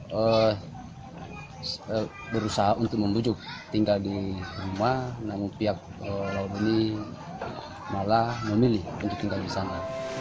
saya berusaha untuk membujuk tinggal di rumah namun pihak laut ini malah memilih untuk tinggal di sana